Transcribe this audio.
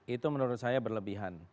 itu menurut saya berlebihan